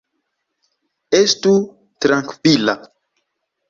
Estu trankvila.